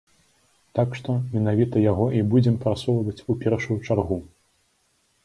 Так што, менавіта яго і будзем прасоўваць у першую чаргу.